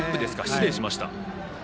失礼しました。